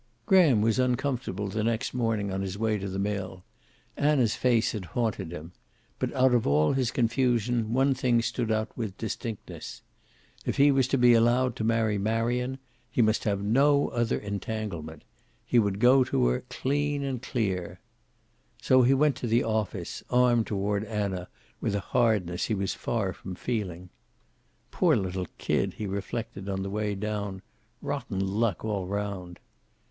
Graham was uncomfortable the next morning on his way to the mill. Anna's face had haunted him. But out of all his confusion one thing stood out with distinctness. If he was to be allowed to marry Marion, he must have no other entanglement. He would go to her clean and clear. So he went to the office, armed toward Anna with a hardness he was far from feeling. "Poor little kid!" he reflected on the way down. "Rotten luck, all round."